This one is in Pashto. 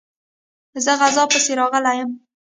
زه غزا پسي راغلی یم.